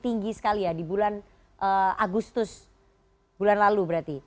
tinggi sekali ya di bulan agustus bulan lalu berarti